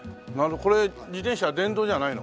これ自転車電動じゃないの？